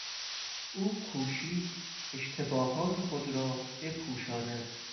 او کوشید اشتباهات خود را بپوشاند.